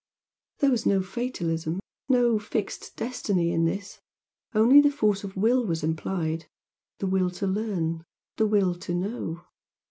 There was no fatalism, no fixed destiny in this; only the force of Will was implied the Will to learn, the Will to know.